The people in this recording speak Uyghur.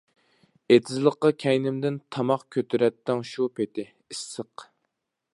ئېتىزلىققا كەينىمدىن تاماق، كۆتۈرەتتىڭ شۇ پېتى، ئىسسىق.